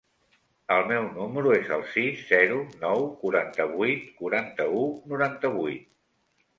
El meu número es el sis, zero, nou, quaranta-vuit, quaranta-u, noranta-vuit.